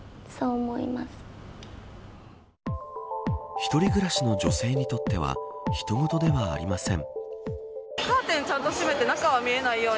一人暮らしの女性にとっては他人事ではありません。